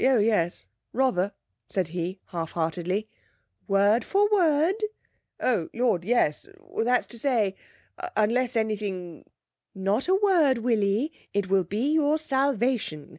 'Oh yes rather,' said he half heartedly. 'Word for word?' 'O Lord, yes. That's to say, unless anything ' 'Not a word, Willie; it will be your salvation.